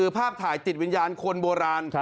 ภาพถ่ายติดวิญญาณคนโบราณ